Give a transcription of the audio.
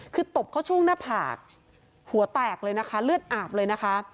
คือตบเข้าช่วงหน้าผากหัวแตกเลยนะคะเลือดอาบเลยนะคะ